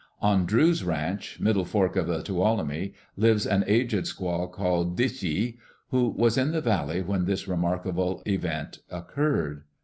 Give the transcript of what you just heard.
On Drew's Ranch, Middle Fork of the Tuolumne, lives an aged squaw called Dish i, who was in the valley when this remarkable event occurred.